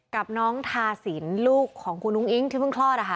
กับน้องทาสินลูกของคุณอุ้งอิ๊งที่เพิ่งคลอดนะคะ